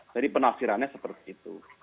jadi penasirannya seperti itu